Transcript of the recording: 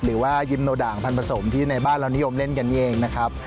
หรือว่ายิมโนด่างพันธสมที่ในบ้านเรานิยมเล่นกันเองนะครับ